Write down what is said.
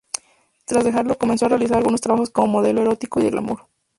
Tras dejarlo comenzó a realizar algunos trabajos como modelo erótica y de glamour.